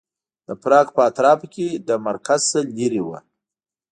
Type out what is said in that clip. د پراګ په اطرافو کې له مرکز نه لرې و.